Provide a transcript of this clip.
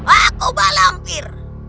aku balang fir